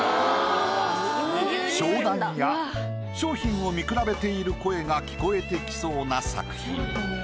商談や商品を見比べている声が聞こえてきそうな作品。